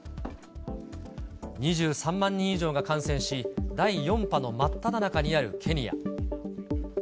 ２３万人以上が感染し、第４波の真っただ中にあるケニア。